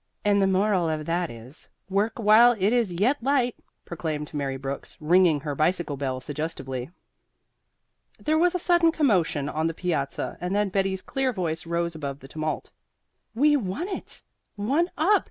"And the moral of that is, work while it is yet light," proclaimed Mary Brooks, ringing her bicycle bell suggestively. There was a sudden commotion on the piazza and then Betty's clear voice rose above the tumult. "We won it, one up!